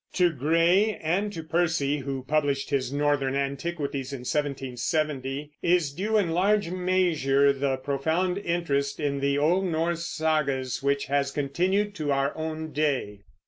To Gray and to Percy (who published his Northern Antiquities in 1770) is due in large measure the profound interest in the old Norse sagas which has continued to our own day.